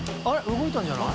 動いたんじゃない？